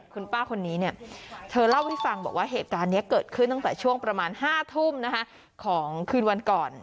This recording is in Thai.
คุณป้าคนนี้เนี่ยเธอเล่าให้ฟังบอกว่าเหตุการณ์นี้เกิดขึ้นตั้งแต่ช่วงประมาณ๕ทุ่มของคืนวันก่อน